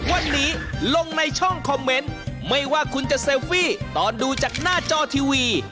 วันนี้ลงในช่องคอมเมนต์ไม่ว่าคุณจะเซลฟี่ตอนดูจากหน้าจอทีวี